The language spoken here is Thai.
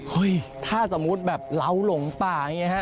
ถ้าสมมุติแบบเราหลงป่าอย่างนี้ฮะ